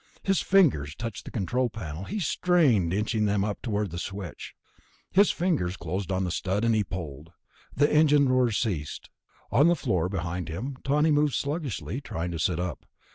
His fingers touched the control panel. He strained, inching them up toward the switch.... His fingers closed on the stud, and he pulled. The engine roar ceased. On the floor behind him Tawney moved sluggishly, trying to sit up.